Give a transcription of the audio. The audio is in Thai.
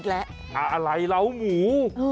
อะไรเหลาหมู